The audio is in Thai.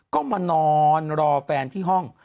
ก็มานอนรอแฟนที่ห้อง